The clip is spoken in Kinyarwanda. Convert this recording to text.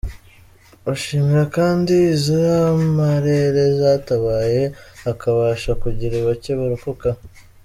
Bashimira kandi iz’amarere zatabaye hakabasha kugira bacye barokoka.